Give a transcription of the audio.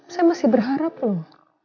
saya masih berharap loh